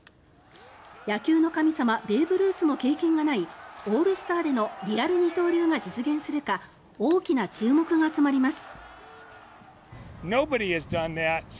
野球の神様ベーブ・ルースも経験がないオールスターでのリアル二刀流が実現するか大きな注目が集まります。